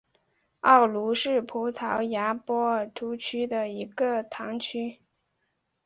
奥卢是葡萄牙波尔图区的一个堂区。